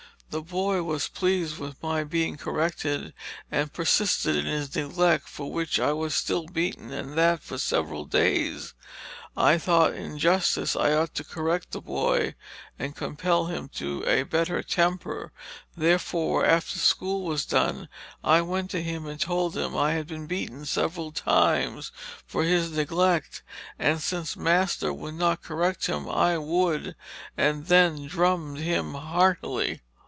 The boy was pleased with my being corrected and persisted in his neglect for which I was still beaten and that for several days. I thought in justice I ought to correct the boy and compel him to a better temper; therefore after school was done I went to him and told him I had been beaten several times for his neglect and since master would not correct him, I would, and then drubbed him heartily."